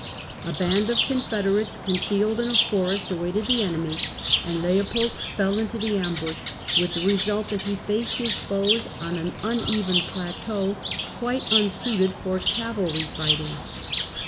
A band of Confederates concealed in a forest awaited the enemy, and Leopold fell into the am bush, with the result that he faced his foes on an un even plateau, quite unsuited for cavalry fighting.